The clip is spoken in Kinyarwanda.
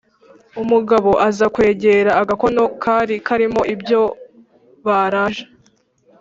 umugabo aza kwegera agakono kari karimo ibyo baraje.